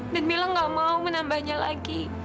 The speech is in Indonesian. dan mila gak mau menambahnya lagi